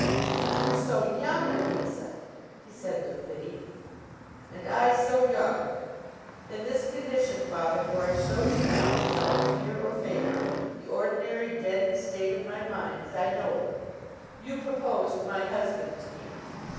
'And you so young, Louisa!' he said with pity. 'And I so young. In this condition, father—for I show you now, without fear or favour, the ordinary deadened state of my mind as I know it—you proposed my husband to me.